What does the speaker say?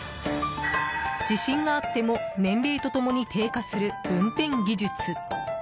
自信があっても年齢と共に低下する運転技術。